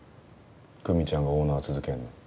久美ちゃんがオーナー続けんの。